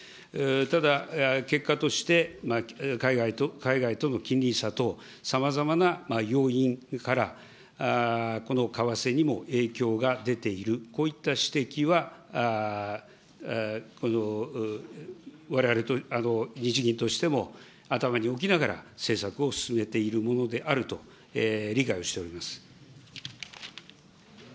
ただ、結果として、海外との金利差等、さまざまな要因から、この為替にも影響が出ている、こういった指摘は、われわれと、日銀としても頭に置きながら、政策を進めているものであると理解をしております。